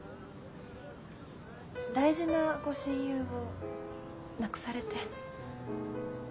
大事なご親友を亡くされて。